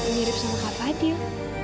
mirip sama kak fadil